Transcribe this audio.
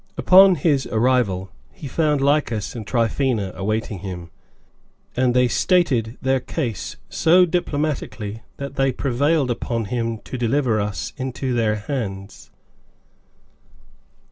Upon his arrival, he found Lycas and Tryphaena awaiting him, and they stated their case so diplomatically that they prevailed upon him to deliver us into their hands.